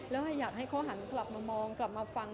แล้วอยากให้เขาหันกลับมามองกลับมาฟัง